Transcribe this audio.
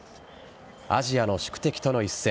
アジアの宿敵との一戦。